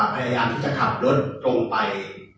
แผ่นอันที่จะขับรถลงไป